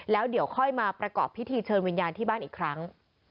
แล้วเดี๋ยวค่อยมาประกอบพิธีเชิญวิญญาณที่บ้านอีกครั้ง